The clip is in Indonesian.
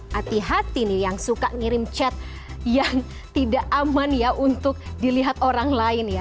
hati hati nih yang suka ngirim chat yang tidak aman ya untuk dilihat orang lain ya